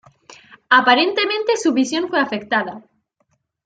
Aparentemente, su visión fue afectada.